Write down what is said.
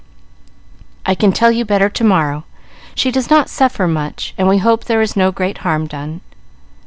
"I can tell you better to morrow. She does not suffer much, and we hope there is no great harm done."